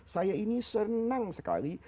saya ini senang sekali